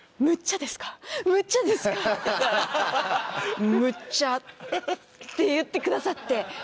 むっちゃですか？」って言ったら「むっちゃ」って言ってくださって。